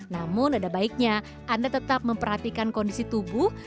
namun ada baiknya anda tetap memperhatikan kondisi tubuh